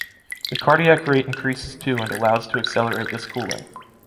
The cardiac rate increases too and allows to accelerate this cooling.